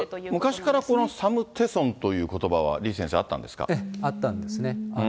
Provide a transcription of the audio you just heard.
昔からこのサムテソンということばは、李先生、あったんですあったんですね。